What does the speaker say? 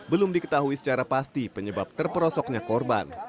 belum diketahui secara pasti penyebab terperosoknya korban